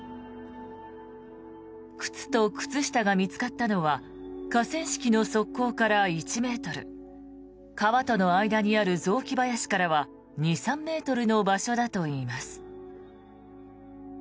靴と靴下が見つかったのは河川敷の側溝から１ｍ川との間にある雑木林からは２３ｍの場所だといいます。